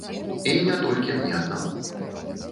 І не толькі мне аднаму.